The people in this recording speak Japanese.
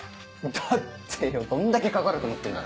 だってよどんだけかかると思ってんだ。